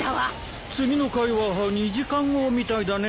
次の回は２時間後みたいだね。